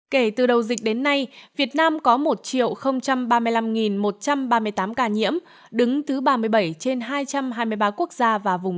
kể từ đầu dịch đến nay việt nam có một ba mươi năm một trăm ba mươi tám ca nhiễm đứng thứ ba mươi bảy trên hai trăm hai mươi ba quốc gia và vùng